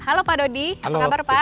halo pak dodi apa kabar pak